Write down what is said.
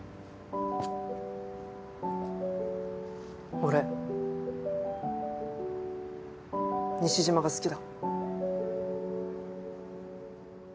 俺西島が好きだ。